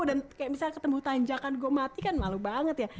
dan kayak misalnya ketemu tanjakan gue mati kan malu banget ya